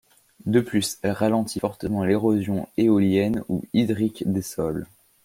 De plus, elle ralentit fortement l’érosion éolienne ou hydrique des sols.